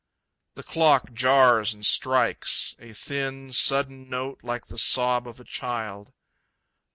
The clock jars and strikes, a thin, sudden note like the sob of a child.